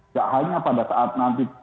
tidak hanya pada saat nanti